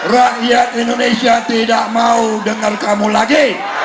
rakyat indonesia tidak mau dengar kamu lagi